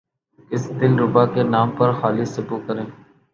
کس دل ربا کے نام پہ خالی سبو کریں